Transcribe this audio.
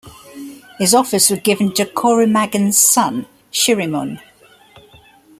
His office was given to Chormagan's son, Shiremun.